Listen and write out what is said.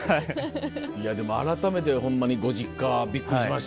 いやでも改めてホンマにご実家はびっくりしました。